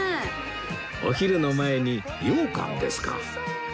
お昼の前にようかんですか